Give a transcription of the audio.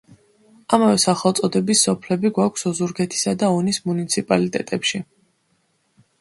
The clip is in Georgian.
ამავე სახელწოდების სოფლები გვაქვს ოზურგეთისა და ონის მუნიციპალიტეტებში.